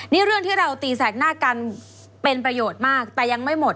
นี่เรื่องที่เราตีแสกหน้ากันเป็นประโยชน์มากแต่ยังไม่หมด